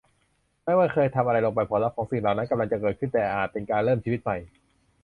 ไม่ว่าเคยทำอะไรลงไปผลลัพธ์ของสิ่งเหล่านั้นกำลังจะเกิดขึ้น แต่อาจเป็นการเริ่มชีวิตใหม่